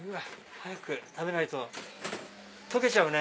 早く食べないと溶けちゃうね。